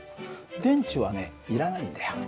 電池はねいらないんだよ。